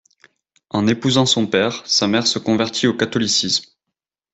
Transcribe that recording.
En épousant son père, sa mère se convertit au catholicisme.